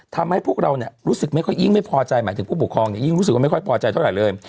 ทำให้พวกเรารู้สึกไม่ค่อยยิ่งไม่พอใจหมายถึงผู้ปกครองยิ่งรู้สึกว่าไม่ค่อยพอใจเท่าไหร่เลย